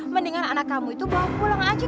mendingan anak kamu itu bawa pulang aja